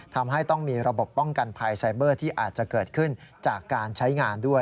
ทำให้ต้องมีระบบป้องกันภัยไซเบอร์ที่อาจจะเกิดขึ้นจากการใช้งานด้วย